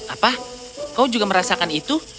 apa kau juga merasakan itu